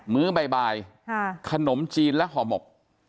ื้อบ่ายขนมจีนและห่อหมก